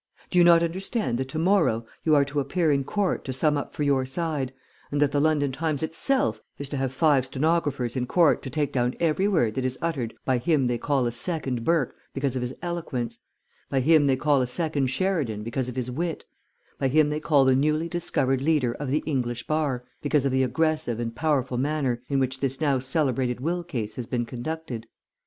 Do you not understand that to morrow you are to appear in court to sum up for your side, and that the London Times itself is to have five stenographers in court to take down every word that is uttered by him they call a second Burke, because of his eloquence, by him they call a second Sheridan, because of his wit, by him they call the newly discovered leader of the English bar, because of the aggressive and powerful manner in which this now celebrated will case has been conducted?